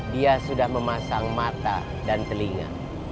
dia sudah memasang mata dan telinga